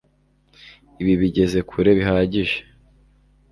Ibi bigeze kure bihagije